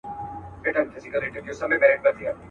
مُلا وايی قبلیږي دي دُعا په کرنتین کي..